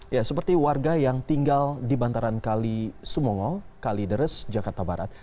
ya seperti warga yang tinggal di bantaran kali sumongo kalideres jakarta barat